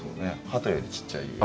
ハトよりちっちゃいよ。